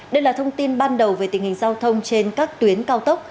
đây là thông tin ban đầu về tình hình giao thông trên các tuyến cao tốc